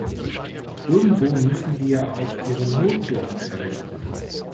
Irgendwo müssen die ja auch ihre Notdurft verrichten.